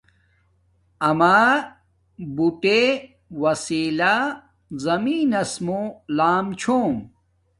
اما بوٹے وساݵلہ زمین نس موں لام چھوم